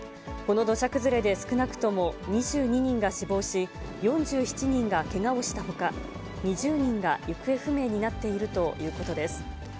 この土砂崩れで少なくとも２２人が死亡し、４７人がけがをしたほか、２０人が行方不明になっているということです。